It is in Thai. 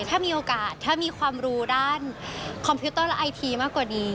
ถ้ามีโอกาสถ้ามีความรู้ด้านคอมพิวเตอร์และไอทีมากกว่านี้